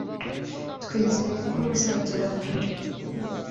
twizeye ko bazagera kure